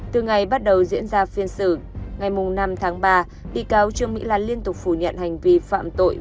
từ ngày bắt đầu diễn ra phiên xử ngày năm tháng ba bị cáo trương mỹ lan liên tục phủ nhận hành vi phạm tội